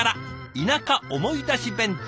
「田舎思い出し弁当」。